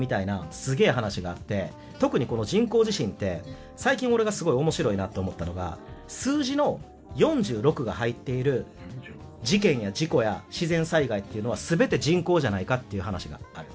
特にこの人工地震って最近俺がすごい面白いなと思ったのが数字の４６が入っている事件や事故や自然災害っていうのは全て人工じゃないかっていう話がある。